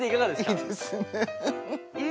いいですよね！